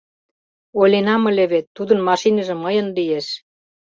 Ойленам ыле вет, тудын машиныже мыйын лиеш.